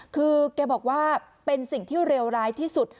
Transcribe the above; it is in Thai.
คือแกบอกว่าเป็นสิ่งที่เลวร้ายที่สุด